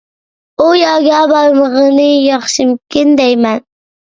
ئۇ يەرگە بارمىغىنى ياخشىمىكىن دەيمەن.